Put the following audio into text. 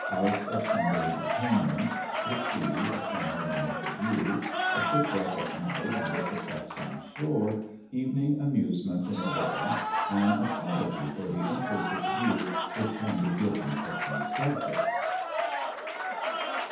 House of Sunday Entertainment The Sea: a Summer and Winter View A Shipwreck at Night, and its Effects on Shore Evening Amusements in the Borough An Apology for the imperfect View which can be given of these Subjects.